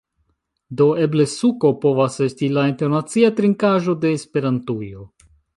Do, eble suko povas esti la internacia trinkaĵo de Esperantujo